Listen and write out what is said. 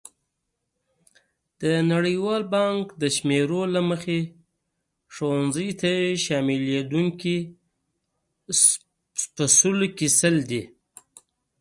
د نړیوال بانک د شمېرو له مخې ښوونځیو ته شاملېدونکي سلو کې سل دي.